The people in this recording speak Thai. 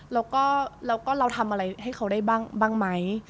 แล้วก็เราทำอะไรให้เขาได้บ้างไหม